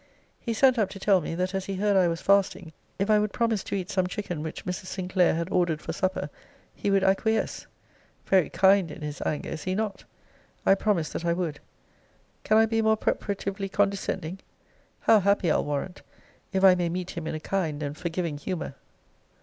He sent up to tell me, that as he heard I was fasting, if I would promise to eat some chicken which Mrs. Sinclair had ordered for supper, he would acquiesce. Very kind in his anger! Is he not? I promised that I would. Can I be more preparatively condescending? How happy, I'll warrant, if I may meet him in a kind and forgiving humour!